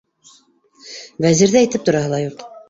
Вәзирҙе әйтеп тораһы ла юҡ.